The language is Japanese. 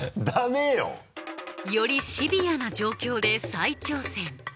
ダメよ！よりシビアな状況で再挑戦